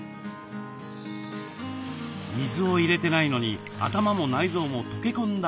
水を入れてないのに頭も内臓も溶け込んだ